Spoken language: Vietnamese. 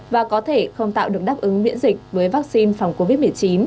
và có thể không tạo được đáp ứng miễn dịch với vaccine phòng covid một mươi chín